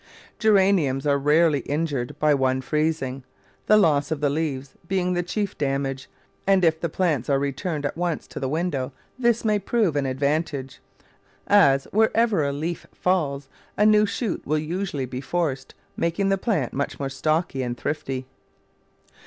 Geraniums are rarely injured by one freezing, the loss of the leaves being the chief damage, and if the plants are returned at once to the window this may prove an advantage, as wherever a leaf falls a new shoot will usually be forced, making the plant much more stocky and thrifty.